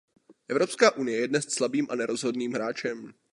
Evropská unie je dnes slabým a nerozhodným hráčem.